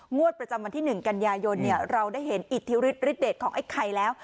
งวดประจำวันที่หนึ่งกันยายนเนี่ยเราได้เห็นอิทธิวฤทธิ์ของไอ้ไข่แล้ว